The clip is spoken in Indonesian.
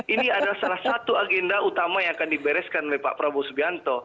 ini adalah salah satu agenda utama yang akan dibereskan oleh pak prabowo subianto